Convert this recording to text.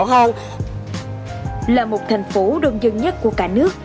bình thạnh là một thành phố đông dân nhất của cả nước